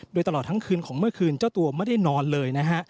โดยตลอดทั้งคืนของเมื่อคืนเจ้าตัวไม่ได้นอนเลยนะฮะ